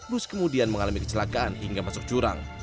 bus kemudian mengalami kecelakaan hingga masuk jurang